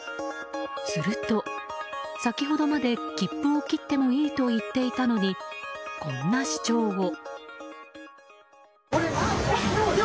すると、先ほどまで切符を切ってもいいと言っていたのにこんな主張を。